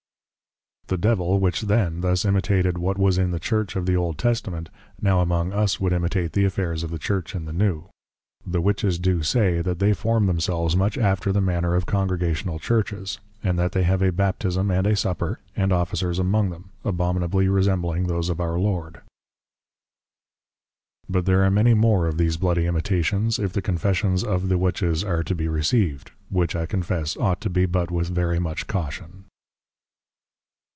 The Devil which then thus imitated what was in the Church of the Old Testament, now among Us would Imitate the Affairs of the Church in the New. The Witches do say, that they form themselves much after the manner of Congregational Churches; and that they have a Baptism and a Supper, and Officers among them, abominably Resembling those of our Lord. But there are many more of these Bloody Imitations, if the Confessions of the Witches are to be Received; which I confess, ought to be but with very much Caution.